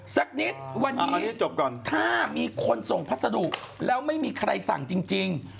สักนิดวันนี้ถ้ามีคนส่งพัสดุแล้วไม่มีใครสั่งจริง